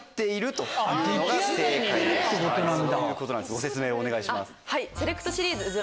ご説明お願いします。